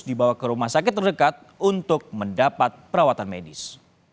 dibawa ke rumah sakit terdekat untuk mendapat perawatan medis